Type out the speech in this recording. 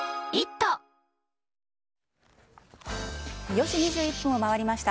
４時２１分を回りました。